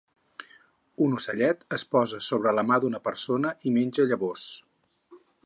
Un ocellet es posa sobre la mà d'una persona i menja llavors.